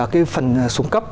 cái phần súng cấp